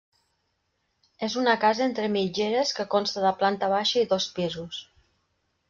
És una casa entre mitgeres que consta de planta baixa i dos pisos.